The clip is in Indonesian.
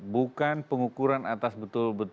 bukan pengukuran atas betul